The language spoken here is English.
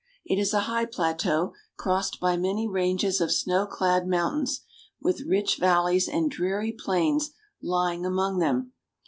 It is a high plateau crossed by many ranges of snow clad mountains, with rich valleys and dreary plains lying among them.